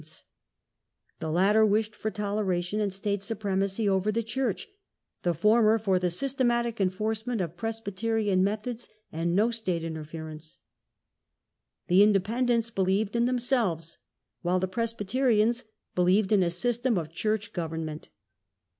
Religious The latter wished for toleration and state divisions, supremacy over the church, the former for the systematic enforcement of Presbyterian methods and no state inter ference. The Independents believed in themselves, while the Presbyterians believed in a system of church govern ment.